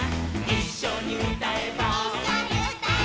いっしょにうたえば。